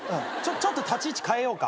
ちょっと立ち位置かえようか。